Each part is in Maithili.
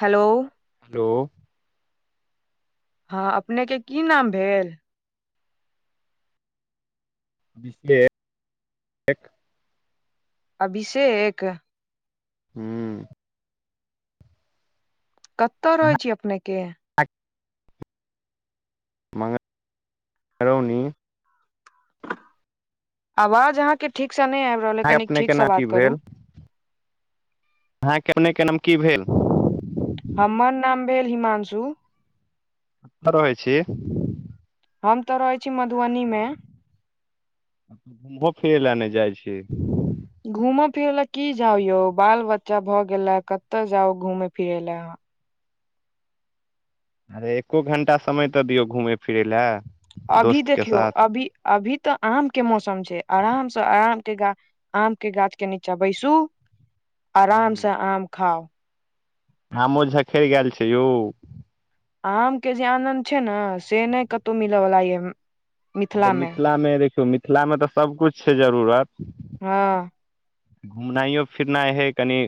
हेलो हेलो हँ अपने के की नाम भेल अभिषेक अभिषेक हूँ कत रहै छी अपने के [unintelligible] मरौनी आवाज अहाँ के ठीक से नहि आबि रहल है अहाँके कनी अपने ठीक के से नाम की बात करू आहाँ के अपने के नाम की भेल हमर नाम भेल हिमांशु कतय रहै छी हम तऽ रहै छी मधुबनी मऽ तऽ घूमहो फिरै लए नहि जाइ छी घूमय फिरय लए की जाउ यौ बाल बच्चा भए गेले कतय जाउ घूमेय फिरे लऽ अरे एको घण्टा समय तऽ दियौ घूमय फिरै लए अभी दोस्त के देखियौ साथ अभी अभी तऽ आम के मौसम छै आराम से आराम के गाछ आम क गाछ के नीचा बैसू आराम से हम्म आम खाउ आमो झखरि गेल छै यौ आम के जे आनन्द छै ने से नहि कतहु मिलयवला य अरे मिथिलामे देखियौ मिथिलामे तऽ सबकिछु छै जरूरत हँ घुमनाइयो फिरनाइ हइ कनि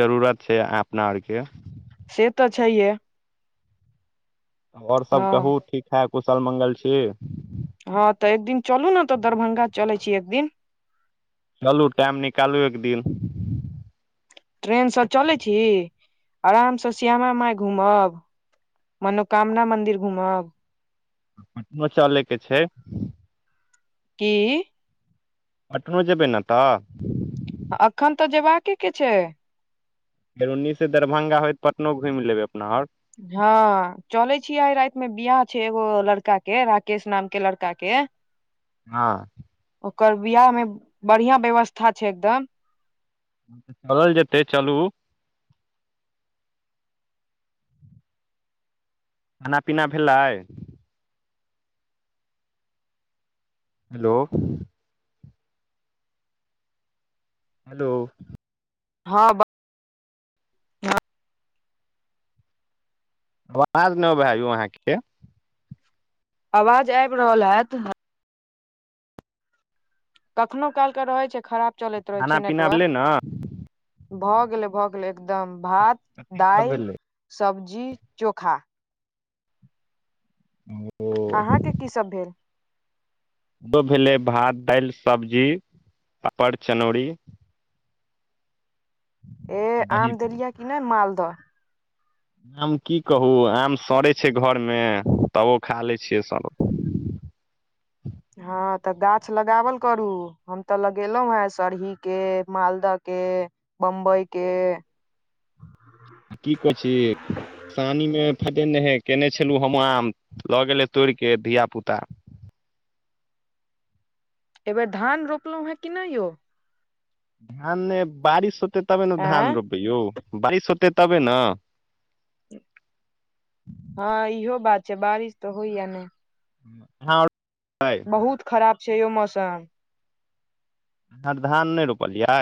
जरूरत छै अपना आरके से तऽ छैेहै आओर सभ हँ कहू ठीक ठाक कुशल मङ्गल छी हँ तऽ एक दिन चलू ने तऽ दरभंगा चलै छी एक दिन चलू टाइम निकालू एक दिन [inaudible] ट्रेन से चलै छी आराम से श्यामा मााय घूमब मनोकामना मंन्दिर घूमब पटनो चलय के छै की पटनो जेबै नऽ तऽ एखन तऽ जयबाक के छै फेरो ओनी सऽ दरभंगा होयत पटनो घूमि लेब अपना आओर हँ चले छीिय आइ राति मे बिियाह छै एगो लड़का के राकेश नाम के लड़का के [inaudible] हँ ओकर बिआाह मे बढ़िया व्यवस्था छै एकदम चलल जेतै चलू खाना पीना भेलैय हेलो हेलो हँ आवाज ने आबेह आहा केँ आवाज आब रहल हैत कखनो काल क रहै छै खराब चलैत रहै छै खाना पीना नेटवर्क भेलै ने भऽ गेलै भऽ गेलै एकदम भात कथी सब दाल भेलै सब्जी चोखा [inaudible] अहाँके कीसभ भेल हमरो भेलै भात दालि सब्जी पापड़ चनौरी ए आम दही देलियै कि नहि मालदह आम की कहू आम सड़ै छै घरमे तबो खा लै छियै सड़ हँ तऽ गाछ लगावल करू हम तऽ लगेलहुं हें सरही के मालदह के बम्बई के की कही छी सानीमे फदे नहि हय केने छलहुँ हम आम लऽ गेलै तोड़िके धिया पुता एहि बेेर धान रोपलहुँ हैं कि नै यौ धान नहि बारिश होतै तबे न धान आँय रोपबै यौ बारिश होतै तबे नऽ हँ इहो बात छै बारिश तऽ होइया ने आहाँ बहुत खराब छै यौ मौसम आहाँ अर धान नहि रोपलियै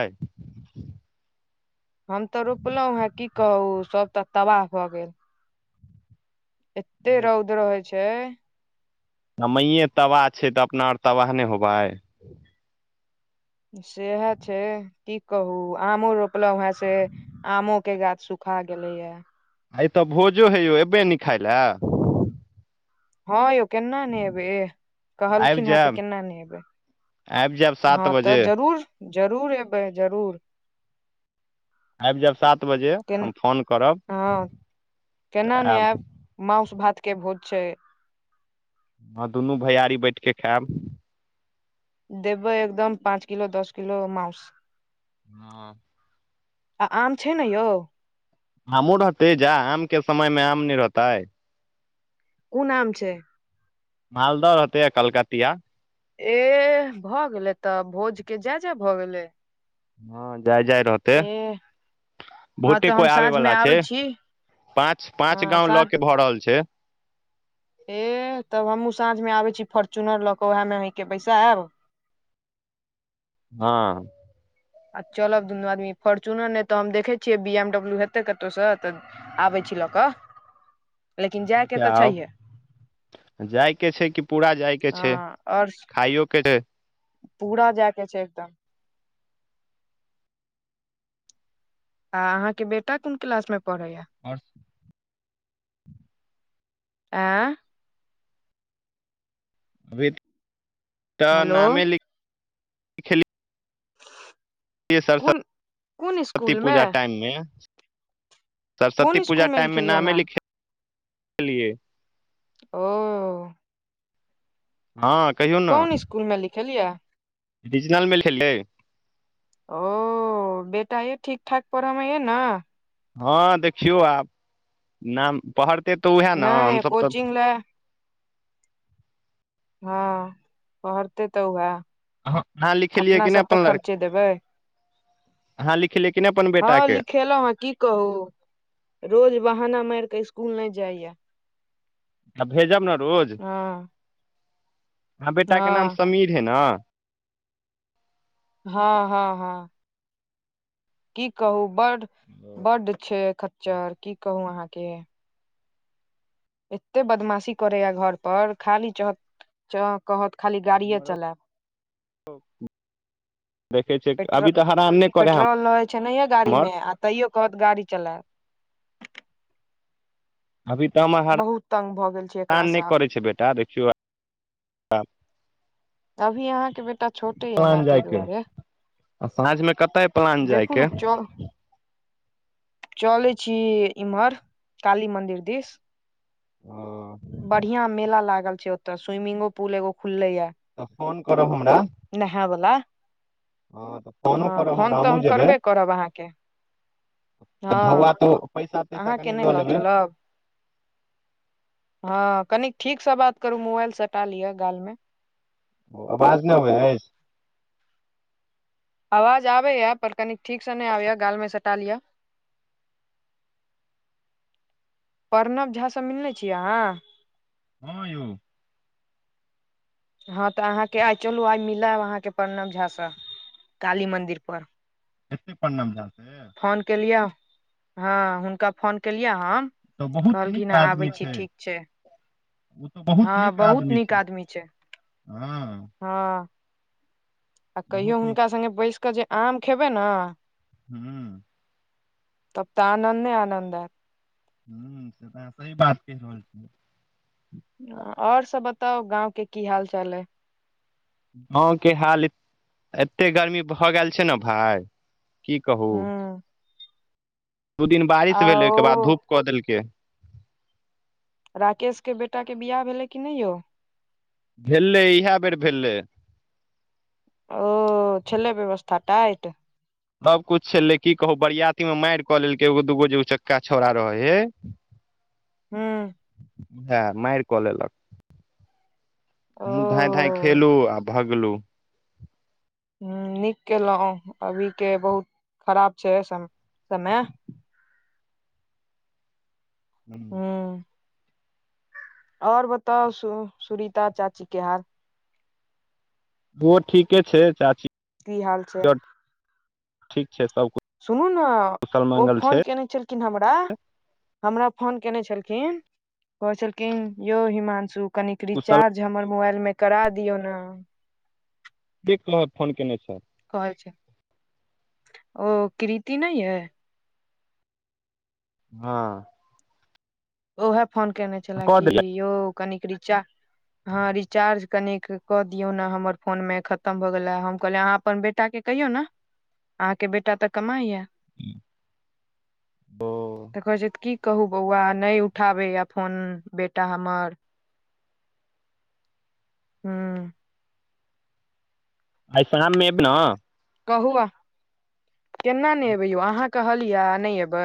हम तऽ रोपलहुं हैं की कहूं सब तऽ तबाह भऽ गेल एते रौद रहे छै समये तबाह छै तऽ अपना आर तबाह नहि होबै सएहे छै की कहू आमो रोपलहुँ हऽ से आमो के गाछ सुखा गेले हय आइ तऽ भोजो है यौ अयबै अनि खाय लए हँ यौ केना नै एबै एह आबि कहलखिन है तऽ जायब केना नै एबै आबि जायब हँ सात तऽ बजे जरूर जरूर अबै जरूर आबि जायब सात बजे, के हम फोन करब हँ तऽ आयब माउंस भातके भोज छै हँ दुनू भैआरी बैठके खायब, देबै एकदम पाँच किलो दस किलो माउस हँ आ आम छै ने यौ? आमो रहतै जा आमके समयमे आम नहि रहतै! कुन आम छै? मालदह रहतै आ कलकतिया। एह भऽ गेलै तब, भोजके जय-जय भऽ गेलै। हँ जय-जय रहत एह! हँ तऽ हम कोइ आबे साँझमे बला आबै छै छी, पाँच पाँच हँ गाँव लऽ सात के भऽ रहल छै एह तब हमहूँ साँझमे आबै छी फोर्च्युनर लऽ कऽ ओहीमे अहींके बैसायब हँ आ चलब दुनू आदमी, फोर्चुनर नहि तऽ हम देखै छियै बीएमडब्लू हेतै कतहुसँ तऽ आबै छी लऽ कऽ लेकिन जायके तऽ छैहे जाइके छै कि पूरा जाइके छै, हँ आओर खाइयो के छै। पूरा जायके छै एकदम। आ अहाँके बेटा कोन क्लासमे पढ़ैया? आओर ऐं! अभी तऽ हेलो नामे लिख सरसती, कोन कोन सरस्वती स्कूल मे पूजा टाइममे सरस्वती कोन पूजा स्कूल मे टाइममे लिखेलियै नामे नाम लिखेलियै ओ हँ कहियौ ने कुनमे लिखेलियै? रिजनलमे [unintelligible] ओ बेटा ये ठीक-ठाक पढ़ऽमे य न? हँ देखियौ आब, नाम पहरतै तऽ उएहे न हम नहि सभ तऽ नाम- कोचिंग लए हँ पढ़ते तऽ उएह ह अहाँ लिखेलियै अपना कि सब नहि तऽ अपन लड़, खर्चे देबै अहाँ लिखेलियै की नहि अपन बेटाके? लिखलहुॅं हन, की कहू रोज बहाना मारि ऽ स्कूल नहि जाइया आ भेजब ने रोज, हँ अहाँ बेटाके नाम हँ समीर है ने? हँ हँ हँ की कहू बड, बड छै खच्चर, की कहू अहाँके एत्ते बदमाशी करैया घर पर, खाली चाहत च कहत खाली गाड़ीेये हमरो चलायब। देखै छै अभी तऽ हरान नहि करै हैय छैे नहियए गाड़ीमे आ तैयो कहत गाड़ी चलायब अभी तऽ हमर बहुत तंग भऽ गेल छै एकरा हरान नहि सँ करै छै बेटा देखियौ [unintelligible] त अभी अहाँके बेटा छोटे या न प्लान ताहि जायके दुआरे आ साँझमे कतय एहि प्लान देखू जायके? ने चल चलै छी इम्हर काली मन्दिर दिस तऽ बढ़ियां मेला लागल छै ओत्त स्विमिंगो पुल एगो खुललै या तऽ फोन करब हमरा नहायवला हँ तऽ फोनो हँ करब फोन हमरा तऽ हमहूँ हम जेबै करबे करब अहाँके आ हँ धौआ तो पैसा तैसा अहाँ के कनि नै लऽ लेबै चलब हँ कनीक ठीक स बात करू मोबाइल सटा लिअ गाल मे ओ आवाज नहि अबै अछि आवाज आबैए पर कनी ठीकसँ नहि आबैए गालमे सटा लिअ प्रणव झा स मिलने छियै अहाँ हँ यौ हँ तऽ अहाँके आइ चलू आइ मिलब अहाँके प्रणव झा से काली मंदिर पर हेतै प्रणव झा से फोन केलियै हँ हुनका फोन केलियै हम तऽ बहुत नीक कहलखिन है आदमी आबै छी ठीक छै ओ तऽ बहुत हँ नीक बहुत आदमी नीक छै आदमी हँ हँ आ बहुत कहियो नीक हुनका संगे बैस कऽ जे आम खेबै न हू तब तऽ आनन्दे आनन्द आ ह से तऽ अहाँ सही बात कहि रहल छियै और सब बताउ गाँंव के की हाल चाल है गाँवके हाल एते एतेक गर्मी भऽ गेल छै ने भाय की कहू हूँ दू दिन बारिश आ भेलै ओहिके बाद ओ धूप कऽ देलकै राकेश के बेटाक के बिआह भेलै कि नहि यौ भेलै इहै बेर भेलै ओ छले व्यवस्था टाइट सभ कुछ छलै की कहू बरियाती मे मारि कऽ लेलकै एगो दूगो जे उचक्का छौड़ा रहै हे हँ व‌एह मारि कऽ लेलक ओ हमु धांय धांय खेलू आ भगलु हेलो ह नीक केलहुँ अभी के बहुत खराब छै सम समय हूं ओर बताउ सु सुुरीता चाची केहार ओहो ठीके छै चाची की हाल छै आओर ठीक छै सबकुछ सुनू ने ओ फोन केयने छलखिन हमरा हमरा फोन केने छलखिन कहै छलखिन यौ हिमांशु कनिक कुशल रिचार्ज हमर मोबाइलमे करा दिऔ ने देख लब फोन कयने छ कहल छै ओ कृति नहि अए हँ उएह फोन केयने छले कऽ कि देलियै यौ कनिक रीचा ह रिचार्ज कने क दियऔ ने हमर फोन में खतम भ गेले हम कहले अहाँ अपन बेटा के कहियौ ने अहाँ के बेटा तऽ कमा या ओ तऽ कहै छै की कहू बौआ नहि उठाबैए अपनोन बेटा हमर हू आइ शाममे एब नऽ कहु आहाँ केना ने एबै यौ अहाँ कहलियै नहि एबै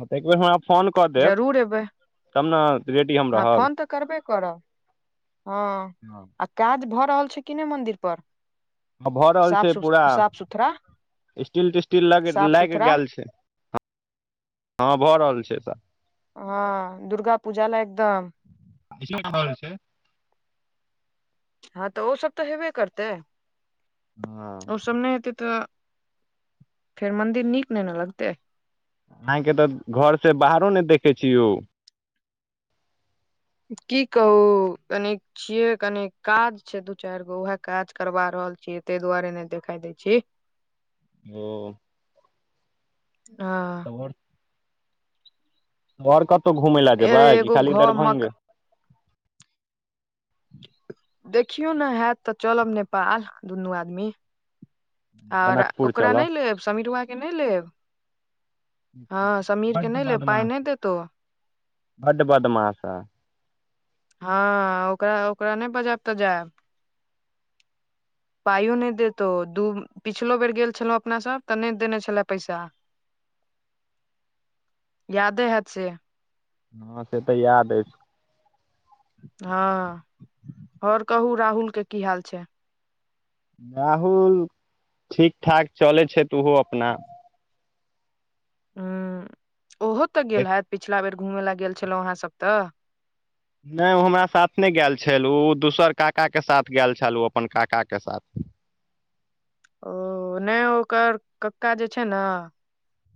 हँ तऽ एक बेर हमरा फोन क देब जरूर एबै तब नऽ रेडी हम अहाँ रहब फोन तऽ करबे करब हँ आ काज भऽ रहल छै कि नहि मन्दिर पर हँ भऽ रहल साफ छै सु पूरा साफ सुथरा स्टील टेस्टिल साफ लाग सुथरा गेल छै हँ भऽ रहल छै तऽ हँ दुर्गा पूजा लाय क तऽ छै हँ तऽ ओ सब तऽ हेबे करतै हँ ओ सब नहि हेतै तऽ फेर मंदिर नीक नहि नऽ लगतै अहाँके तऽ घर से बाहरो नहि देखै छी यौ की कहू कनि छियै कनी काज छै दू चारि गो उएह काज करबा रहल छीयै ताहि दुआरे नहि देखाई देय छी [inaudible] ओ ह और और कतहु घुमय लए जेबै अरे कि एगो खाली घर मक दरभंगे देखियौ नऽ हयैत तऽ चलब नेपाल दुनू आदमी आओर जनकपुर ओकरा चलब नहि लेब समीरबा क नहि लेब हँ समीर के बड नहि लेब पाइ बदमाश नहि देतो बड बदमाश ह हँ ओकरा ओकरा नहि बजायब तऽ जायब पाइयो नहि देत ओ दू पिछलो बेर गेल छलहुँ अपनासभ तऽ नहि देने छलेय पैसा यादे हैत से हँ से तऽ याद अछि हँ आओर कहू राहुल के की हाल छै राहुल ठीक ठाक चलै छैथ ओहो अपना ह ओहो तऽ गेल देख हैत पिछला बेर घूमय लए गेल छलहुं अहाँ सब तऽ नहि ओ हमरा साथ नहि गेल छल उ दोसर काकाके साथ गेल छल उ अपन काकाके साथ ओ नहि ओकर कक्का जे छै ने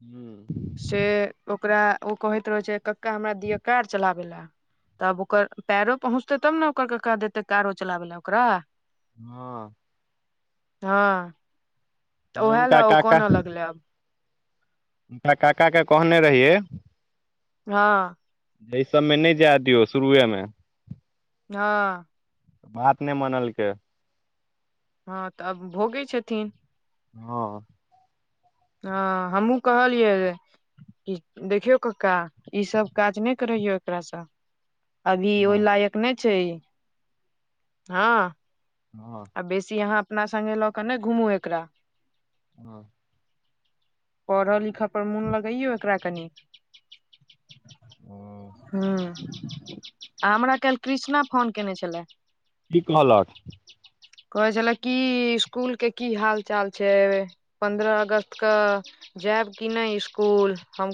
हू से ओकरा ओ कहैत रहै छै कक्का हमरा दिअ कार चलाबे लए तब ओकर पैरो पहुँचतै तब नऽ ओकर कका देतै कारो चलाबै लए ओकरा हँ हँ तऽ नहि उएह हुनका लए ओ कोना लगले आब हम त काकाके कहने रहियै हँ एहि सभमे नहि जाय दियौ शुरुएमे हँ बात नहि मानलकै हँ तऽ आब भोगै छथिन हँ तऽ हमहुँ कहलियै ई देखियौ कक्का, ई सभ काज नहि करैयो एकरासँ अभी ओहि हँ लायक नहि छै, हँ हॅं आ बेसी अहाँ अपना संगे लऽ कऽ नइॅं घुमू एकरा हँ पढ़ऽ लिखय पर मोन लगैयौ एकरा कनि हॅं [unintelligible] ह आ हमरा काल्हि कृष्णा फोन केने छलए की कहलक? कहे छले की, इसकुल के की हाल-चाल छै? पन्द्रह अगस्तके जायब की नहि इसकुल? हम